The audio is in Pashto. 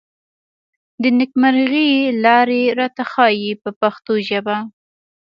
د نېکمرغۍ لارې راته ښيي په پښتو ژبه.